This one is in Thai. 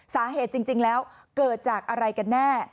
สาเหตุจริงแล้วเกิดจากอะไรกันแน่